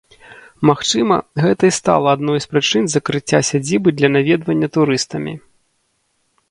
Магчыма, гэта і стала адной з прычын закрыцця сядзібы для наведвання турыстамі.